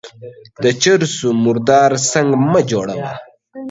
د چر سو مردار سنگ مه جوړوه.